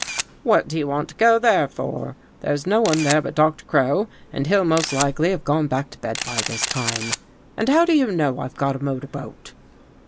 " What do you want to go there for? There's no one there but Doctor Crow and he'll most likely have gone back to bed by this time. And how do you know I've got a motor boat?"